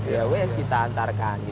ya kita antarkan